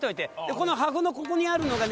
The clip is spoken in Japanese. この破風のここにあるのがね